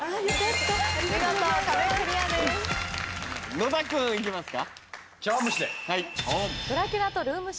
長田君行きますか？